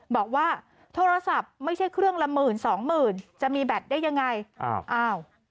บอกว่าโทรศัพท์ไม่ใช่เครื่องละหมื่นสองหมื่นจะมีแบตได้ยังไงอ้าวอ้าวอ้าว